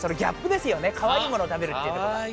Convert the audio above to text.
かわいいものをたべるっていうとこが。